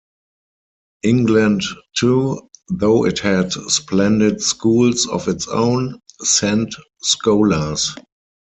England too, though it had splendid schools of its own, sent scholars.